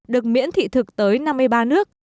được miễn thị thực tới năm mươi ba nước